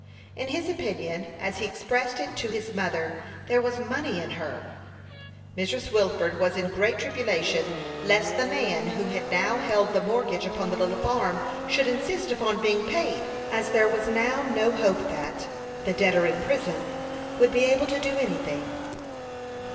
In his opinion, as he expressed it to his mother, there was " money in her." Mrs. Wilford was in great tribulation lest the man who now held the mortgage upon the little farm should insist upon being paid, as there was now no hope that the debtor, in prison, would be able to do any thing.